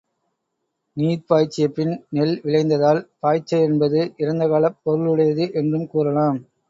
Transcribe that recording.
நீர் பாய்ச்சிய பின் நெல் விளைந்ததால், பாய்ச்ச என்பது இறந்த காலப் பொருளுடையது என்றும் கூறலாம்.